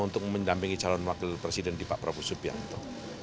untuk mendampingi calon wakil presiden di pak prabowo subianto